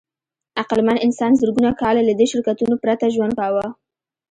عقلمن انسان زرګونه کاله له دې شرکتونو پرته ژوند کاوه.